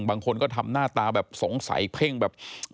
บางคนก็ทำหน้าตาแบบสงสัยเพ่งแบบ